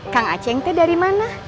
kang aceng itu dari mana